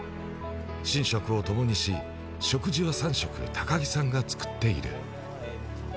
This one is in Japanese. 寝食を共にし、食事は３食高木さんが作っている。